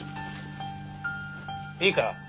いいか？